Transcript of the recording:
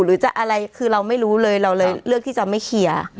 หรือจะอะไรคือเราไม่รู้เลยเราเลยเลือกที่จะไม่เคลียร์